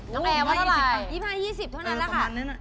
น้องแอร์ว่าเท่าไหร่๒๕๒๐เท่านั้นแหละค่ะ